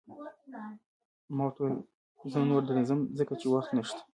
ما ورته وویل: زه نو، نور در نه ځم، ځکه چې وخت نشته.